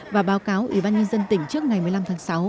và báo cáo ủy ban nhân dân tỉnh trước ngày một mươi năm tháng sáu